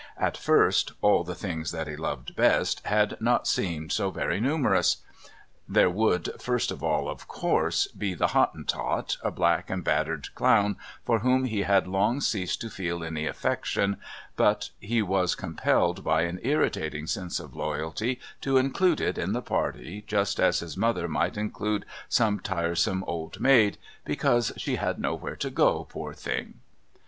At first "all the things that he loved best" had not seemed so very numerous. There would, first of all, of course, be the Hottentot, a black and battered clown for whom he had long ceased to feel any affection, but he was compelled by an irritating sense of loyalty to include it in the party just as his mother might include some tiresome old maid "because she had nowhere to go to, poor thing."